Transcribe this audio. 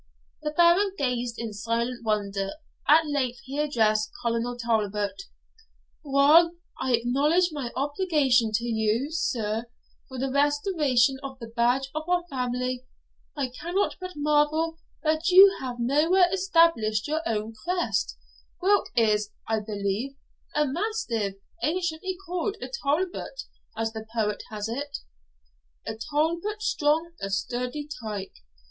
The Baron gazed in silent wonder; at length he addressed Colonel Talbot 'While I acknowledge my obligation to you, sir, for the restoration of the badge of our family, I cannot but marvel that you have nowhere established your own crest, whilk is, I believe, a mastiff, anciently called a talbot; as the poet has it, A talbot strong, a sturdy tyke.